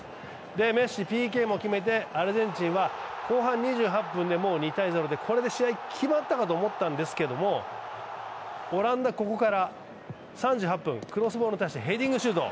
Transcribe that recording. メッシ、ＰＫも決めてアルゼンチンは後半２８分で２−０でこれで試合決まったかと思ったんですけどオランダ、ここから３８分クロスボールに対してヘディングシュート。